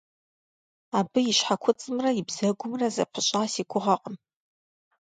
Абы и щхьэкуцӏымрэ и бзэгумрэ зэпыщӏа си гугъэкъым.